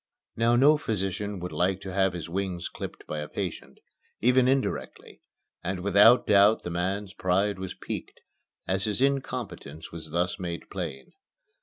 Now no physician would like to have his wings clipped by a patient, even indirectly, and without doubt the man's pride was piqued as his incompetence was thus made plain.